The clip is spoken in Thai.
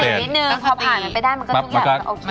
นั่งสตินิดนึงพอผ่านไปได้มันก็โอเค